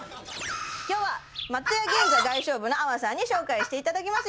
今日は松屋銀座外商部の粟さんに紹介していただきます